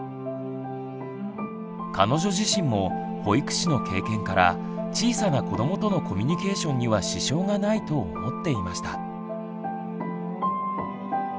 彼女自身も保育士の経験から小さな子どもとのコミュニケーションには支障がないと思っていました。